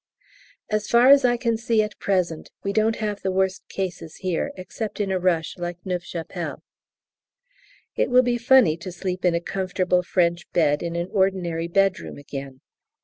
As far as I can see at present we don't have the worst cases here, except in a rush like Neuve Chapelle. It will be funny to sleep in a comfortable French bed in an ordinary bedroom again.